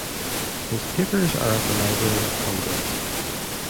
His papers are at the Library of Congress.